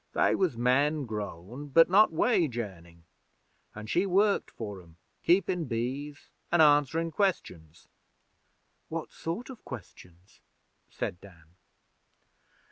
They was men grown, but not wage earnin', an' she worked for 'em, keepin' bees and answerin' Questions.' 'What sort of questions?' said Dan.